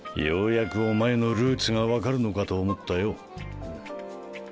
ようやくお前のルーツが分かるのかと思ったよ。